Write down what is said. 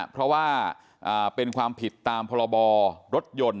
เพราะว่าเป็นความผิดตามพรบรถยนต์